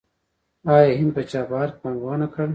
آیا هند په چابهار کې پانګونه کړې؟